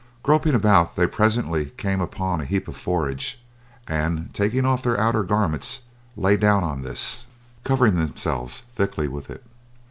Groping about they presently came upon a heap of forage, and taking off their outer garments lay down on this, covering themselves thickly with it.